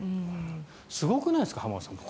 すごくないですか、浜田さん。